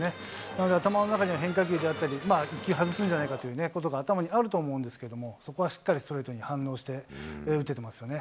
なので頭の中には変化球であったり、１球外すんじゃないかということが頭にあると思うんですけど、そこはしっかりストレートに反応して打ててますよね。